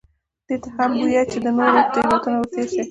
ده ته هم بویه چې د نورو له تېروتنو ورتېر شي.